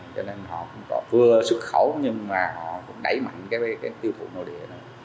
cho nên họ vừa xuất khẩu nhưng mà họ cũng đẩy mạnh cái tiêu thụ nội địa